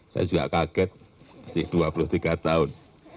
saya juga kaget masih dua puluh tiga tahun